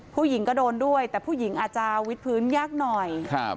ผู้หญิงก็โดนด้วยแต่ผู้หญิงอาจจะวิดพื้นยากหน่อยครับ